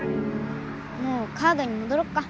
もうカードにもどろっか。